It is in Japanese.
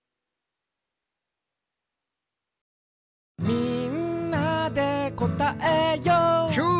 「みんなでこたえよう」キュー！